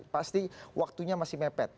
dua ribu sembilan belas pasti waktunya masih mepet